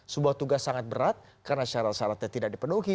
sebuah tugas sangat berat karena syarat syaratnya tidak dipenuhi